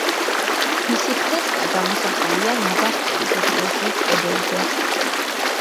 მისი ფრესკა გამოსახულია ნაბახტევის ეკლესიის კედელზე.